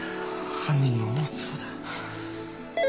犯人の思うつぼだ。